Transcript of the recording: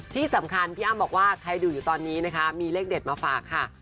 ที่สำคัญพี่อ้ำบอกว่าใครดูอยู่ตอนนี้นะคะมีเลขเด็ดมาฝากค่ะ